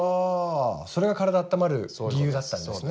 それが体あったまる理由だったんですね？